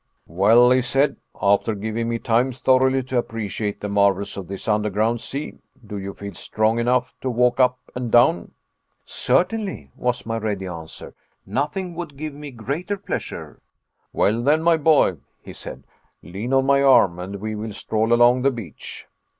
"Well," he said, after giving me time thoroughly to appreciate the marvels of this underground sea, "do you feel strong enough to walk up and down?" "Certainly," was my ready answer, "nothing would give me greater pleasure." "Well then, my boy," he said, "lean on my arm, and we will stroll along the beach."